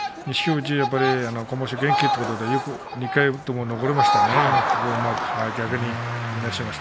富士はやっぱり今場所、元気ということで２回とも残りましたね。